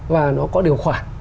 và nó có điều khoản